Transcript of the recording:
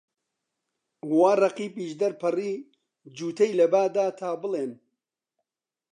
وا ڕەقیبیش دەرپەڕی، جووتەی لە با دا، تا بڵێن